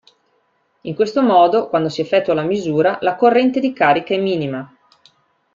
In questo modo quando si effettua la misura la corrente di carica è minima.